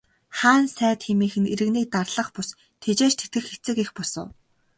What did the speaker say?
Хаан сайд хэмээх нь иргэнийг дарлах бус, тэжээж тэтгэх эцэг эх бус уу.